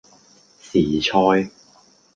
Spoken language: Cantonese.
時菜